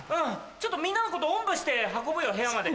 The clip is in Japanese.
ちょっとみんなのことおんぶして運ぶよ部屋まで。